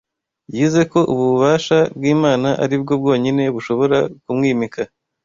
Yize ko ububasha bw’Imana ari bwo bwonyine bushobora kumwimika